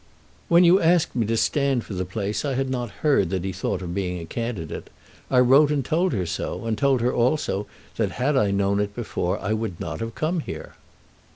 "When you asked me to stand for the place I had not heard that he thought of being a candidate. I wrote and told her so, and told her also that had I known it before I would not have come here."